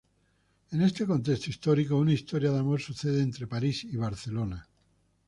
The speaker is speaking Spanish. En este contexto histórico una historia de amor sucede entre París y Barcelona.